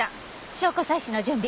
証拠採取の準備。